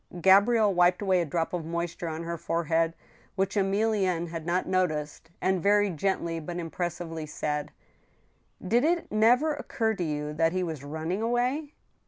Gabrielle wiped away a drop of moisture on her forehead, which Emilienne had not noticed, and very gently but impressively said :" Did it never occur to you that he was running away